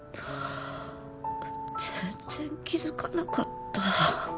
全然気づかなかった。